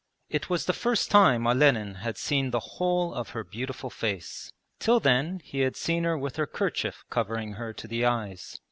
It was the first time Olenin had seen the whole of her beautiful face. Till then he had seen her with her kerchief covering her to the eyes.